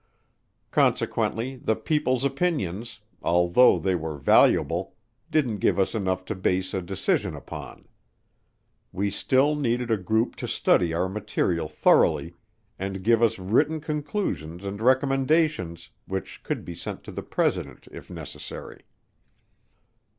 Consequently the people's opinions, although they were valuable, didn't give us enough to base a decision upon. We still needed a group to study our material thoroughly and give us written conclusions and recommendations which could be sent to the President if necessary.